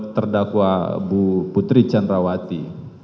terdakwa bu putri canrawati